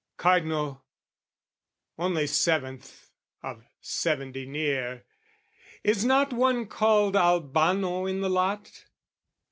Cardinal, only seventh of seventy near, Is not one called Albano in the lot?